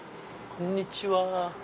こんにちは。